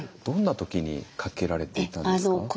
どんな時にかけられていたんですか？